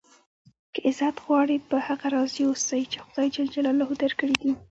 که عزت غواړئ؟ په هغه راضي اوسئ، چي خدای جل جلاله درکړي دي.